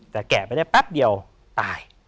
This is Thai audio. แต่แกะไปได้แป๊บเดียวตาย